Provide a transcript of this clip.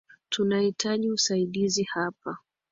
Tunahitaji usaidizi hapa